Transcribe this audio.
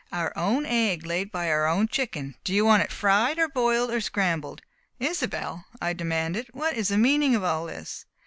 Our own egg, laid by our own chicken! Do you want it fried, or boiled, or scrambled?" "Isobel," I demanded, "what is the meaning of all this?"